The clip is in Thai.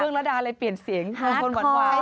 เบื้องระดาษเลยเปลี่ยนเสียงคนหวาน